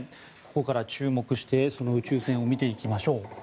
ここから注目してその宇宙船を見ていきましょう。